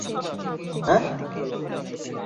তিনি কিভাবে googly bowling করেন তার রহস্য খুঁজে পাননি।